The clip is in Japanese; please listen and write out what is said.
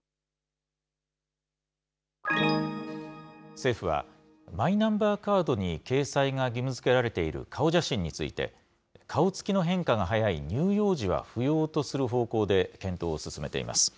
政府は、マイナンバーカードに掲載が義務づけられている顔写真について、顔つきの変化が早い乳幼児は不要とする方向で、検討を進めています。